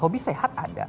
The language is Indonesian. hobi sehat ada